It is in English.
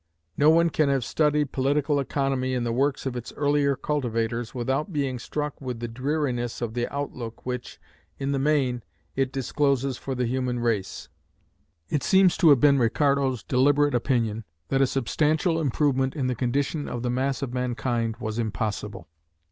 No one can have studied political economy in the works of its earlier cultivators without being struck with the dreariness of the outlook which, in the main, it discloses for the human race. It seems to have been Ricardo's deliberate opinion, that a substantial improvement in the condition of the mass of mankind was impossible.